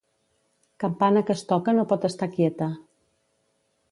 Campana que es toca no pot estar quieta.